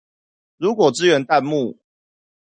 如果支援彈幕